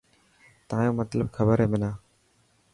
تايون مطلب کبر هي منا.